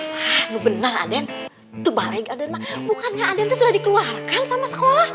bener bener aden tuh balik aden mah bukannya aden tuh sudah dikeluarkan sama sekolah